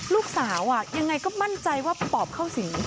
ลูกสาวอ่ะยังไงก็มั่นใจว่าปอบเข้าสิ